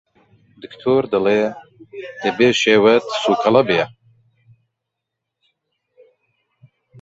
دکتۆر دەڵێ دەبێ شێوت سووکەڵە بێ!